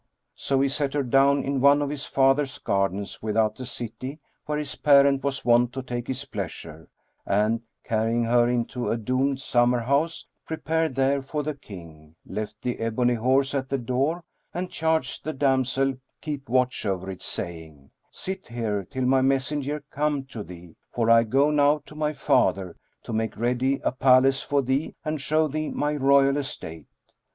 So he set her down in one of his father's gardens without the city where his parent was wont to take his pleasure; and, carrying her into a domed summer house prepared there for the King, left the ebony horse at the door and charged the damsel keep watch over it, saying, "Sit here, till my messenger come to thee; for I go now to my father, to make ready a palace for thee and show thee my royal estate."